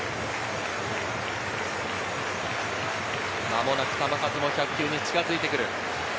間もなく球数も１００球に近づいてくる。